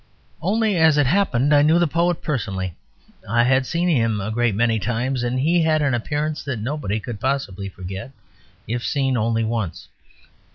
Only, as it happened, I knew the poet personally; I had seen him a great many times, and he had an appearance that nobody could possibly forget, if seen only once.